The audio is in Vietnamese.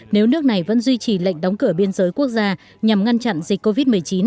nếu nước này vẫn duy trì lệnh đóng cửa biên giới quốc gia nhằm ngăn chặn dịch covid một mươi chín